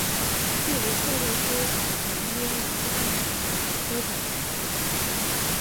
距离克利夫兰约一小时半的车程。